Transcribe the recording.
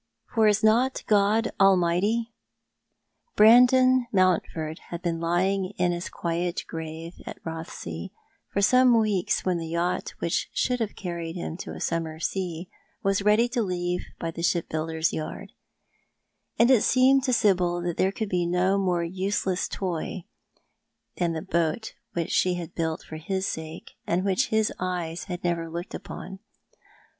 "fob is not god all mighty?" Brandon Mountfobd had been lying in his quiet grave at Eothesay for some weeks when the yacht which should have carried him to a summer sea was ready to leave the ship builder's yard ; and it seemed to Sibyl that there could be no more useless toy than the boat which she had built for his sake, and which his eyes had never looked upon.